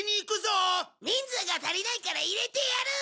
人数が足りないから入れてやる！